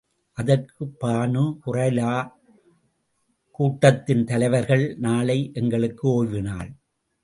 அதற்கு, பனூ குறைலா கூட்டத்தின் தலைவர்கள், நாளை எங்களுக்கு ஓய்வு நாள்.